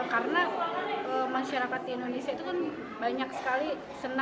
karena masyarakat di indonesia itu kan banyak sekali senang masakannya